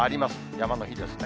山の日ですね。